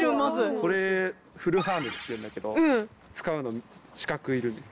これフルハーネスっていうんだけど使うのに資格いる。